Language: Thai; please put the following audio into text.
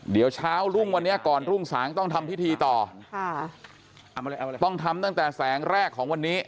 เดี๋ยวเช้ารุ่งวันนี้ก่อนรุ่งสางต้องทำพิธีต่อค่ะต้องทำตั้งแต่แสงแรกของวันนี้